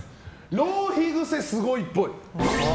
浪費癖すごいっぽい。